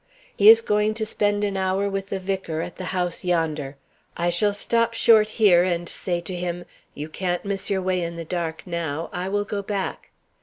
He is going to spend an hour with the vicar, at the house yonder. I shall stop short here, and say to him, 'You can't miss your way in the dark now I will go back.'